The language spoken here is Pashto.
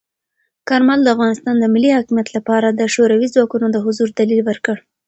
کارمل د افغانستان د ملی حاکمیت لپاره د شوروي ځواکونو د حضور دلیل ورکړ.